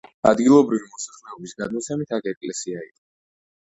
ადგილობრივი მოსახლეობის გადმოცემით აქ ეკლესია იყო.